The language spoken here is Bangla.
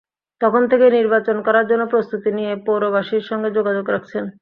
তখন থেকেই নির্বাচন করার জন্য প্রস্তুতি নিয়ে পৌরবাসীর সঙ্গে যোগাযোগ রাখছেন।